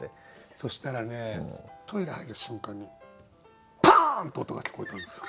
そしたらねトイレ入る瞬間にパーン！って音が聞こえたんですよ。